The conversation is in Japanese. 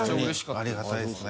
ありがたいですね。